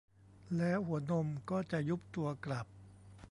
แล้วหัวนมก็จะยุบตัวกลับ